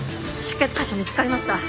出血箇所見つかりました。